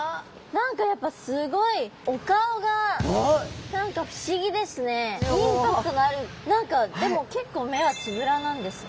何かやっぱすごいインパクトのある何かでも結構目はつぶらなんですね。